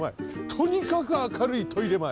とにかく明るいトイレまえ。